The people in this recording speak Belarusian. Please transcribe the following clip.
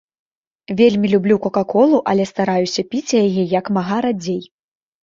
Вельмі люблю кока-колу, але стараюся піць яе як мага радзей.